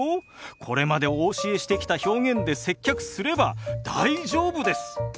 これまでお教えしてきた表現で接客すれば大丈夫です。